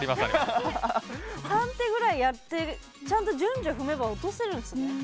３手ぐらいやってちゃんと順序踏めば落とせるんですね。